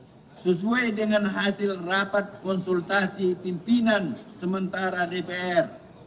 yang sesuai dengan hasil rapat konsultasi pimpinan sementara dpr